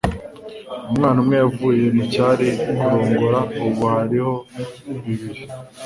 umwana umwe yavuye mucyari kurongora; ubu hariho bibiri